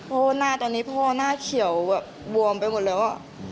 เพราะตอนนี้พ่อหน้าเขียวแบบววมไปหมดแล้ว